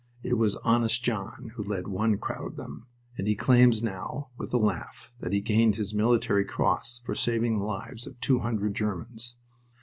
It was "Honest John" who led one crowd of them, and he claims now, with a laugh, that he gained his Military Cross for saving the lives of two hundred Germans.